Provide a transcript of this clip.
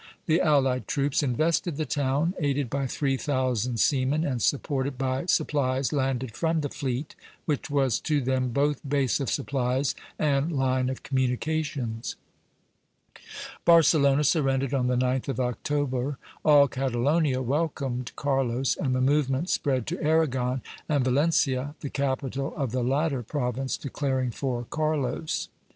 The allied troops invested the town, aided by three thousand seamen and supported by supplies landed from the fleet, which was to them both base of supplies and line of communications. Barcelona surrendered on the 9th of October; all Catalonia welcomed Carlos, and the movement spread to Aragon and Valencia, the capital of the latter province declaring for Carlos.